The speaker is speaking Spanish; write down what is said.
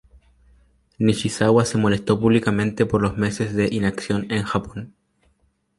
Nishizawa se molestó públicamente por los meses de inacción en Japón.